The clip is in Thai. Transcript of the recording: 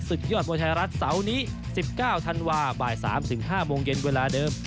ยอดมวยไทยรัฐเสาร์นี้๑๙ธันวาบ่าย๓๕โมงเย็นเวลาเดิม